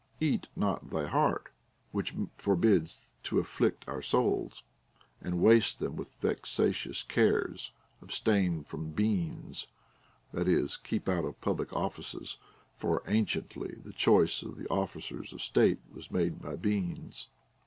Eat not thy heart ; which forbids to afflict our souls, and waste them with vexatious cares, OF THE TRAINING OF CHILDREN. 29 Abstain from beans ; that is, keep out of public offices, for anciently the choice of the officers of state was made by beans.